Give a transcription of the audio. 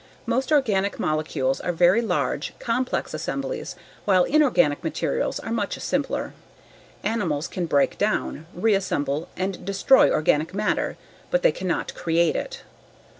Most organic molecules are very large, complex assemblies while inorganic materials are much simpler. Animals can break down, reassemble and destroy organic matter but they cannot create it.